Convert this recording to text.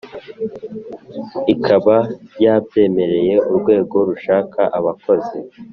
ikaba yabyemereye urwego rushaka abakozi